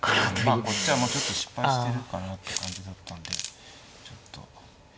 まあこっちはもうちょっと失敗してるかなって感じだったんでちょっと。